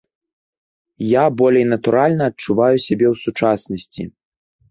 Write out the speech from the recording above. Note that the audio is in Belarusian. Я болей натуральна адчуваю сябе ў сучаснасці.